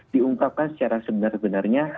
diungkapkan secara sebenar benarnya